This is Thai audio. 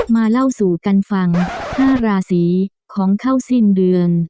มาเล่าสู่กันฟัง๕ราศีของเข้าสิ้นเดือน